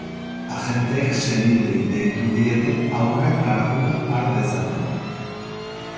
Agenteek senideei deitu diete haurren ardura hartu dezaten.